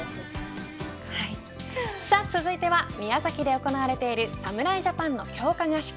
さあ続いては宮崎で行われている侍ジャパンの強化合宿。